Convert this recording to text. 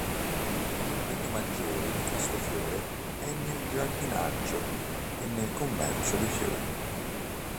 L'impiego maggiore di questo fiore è nel giardinaggio e nel commercio dei fiori.